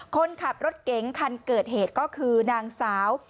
คนขับรถเก๋งคันเกิดเหตุก็คือนางสาว